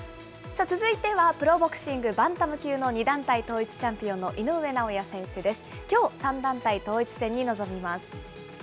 さあ続いてはプロボクシング、バンタム級の２団体統一チャンピオンの井上尚弥選手です。